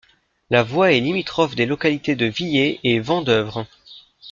La voie est limitrophe des localités de Villers et Vandœuvre.